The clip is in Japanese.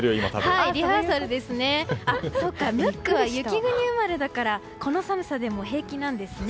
そうか、ムックは雪国生まれだからこの寒さでも平気なんですね。